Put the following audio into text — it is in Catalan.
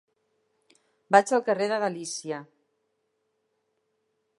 Vaig al carrer de Galícia.